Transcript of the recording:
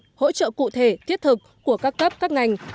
cần có sự phối hợp hỗ trợ cụ thể thiết thực của các cấp các ngành